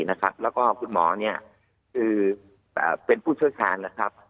แล้วก็คุณหมอคือเป็นผู้เชี่ยวชาญนะครับ